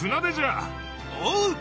おう！